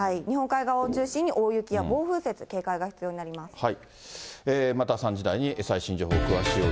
日本海側を中心に大雪や暴風雪、警戒が必要になります。